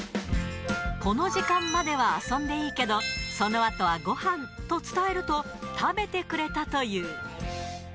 この時間までは遊んでいいけど、そのあとはごはんと伝えると、食べてくれたという。